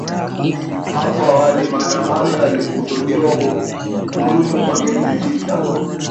Hapo awali maandamano yalikusudiwa kudumu kwa miezi sita.